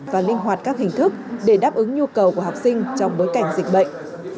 và linh hoạt các hình thức để đáp ứng nhu cầu của học sinh trong bối cảnh dịch bệnh